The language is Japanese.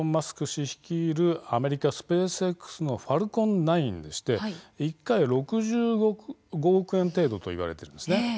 氏率いるアメリカ、スペースＸのファルコン９でして１回、６５億円程度といわれているんですね。